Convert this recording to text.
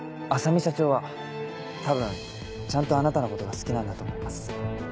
浅海社長は多分ちゃんとあなたのことが好きなんだと思います。